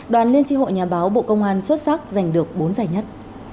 đoàn liên tri hội nhà báo bộ công an xuất sắc giành được bốn giải nhất